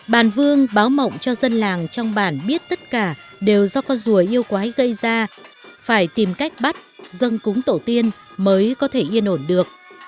bàn vương báo mộng cho dân làng trong bản biết tất cả đều do con rùa yêu quái gây ra phải tìm cách bắt dân cúng tổ tiên mới có thể yên ổn được